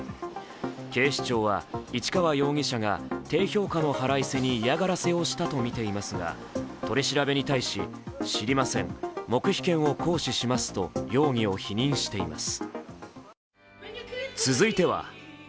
警視庁は市川容疑者が低評価の腹いせに嫌がらせをしたとみていますが、取り調べに対し、知りません、黙秘権を行使しますと容疑を否認しています。